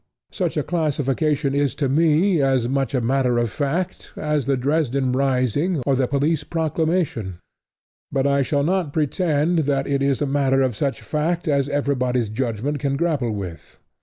Such a classification is to me as much a matter of fact as the Dresden rising or the police proclamation; but I shall not pretend that it is a matter of such fact as everybody's judgment can grapple with.